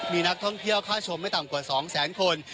มีนักท่องเที่ยวค่าชมไม่ต่ำกว่า๒แสนคน